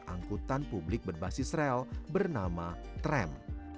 angkutan publik berbasis rel bernama tram